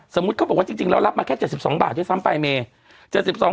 สมมุติเขาบอกว่าจริงเรารับมาแค่๗๒บาทด้วยซ้ำไปเมย์